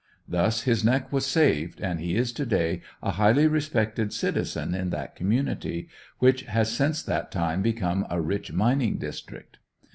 Thus his neck was saved, and he is to day a highly respected citizen in that community, which has since that time become a rich mining district.